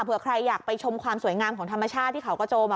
ใครอยากไปชมความสวยงามของธรรมชาติที่เขากระโจม